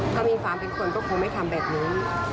ถ้ามีความเป็นคนก็คงไม่ทำแบบนี้